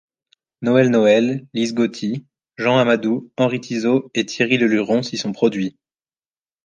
Noël-Noël, Lys Gauty, Jean Amadou, Henri Tisot et Thierry Le Luron s'y sont produits.